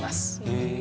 へえ。